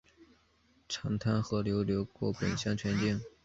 长滩河流过本乡全境。